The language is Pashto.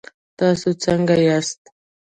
تاسو څنګ ياست؟